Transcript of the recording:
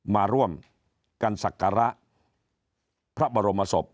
มาร่วมกันศักระพระบรมศพ